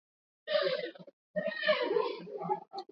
hapa mlalakuwa mkabala na mlimani city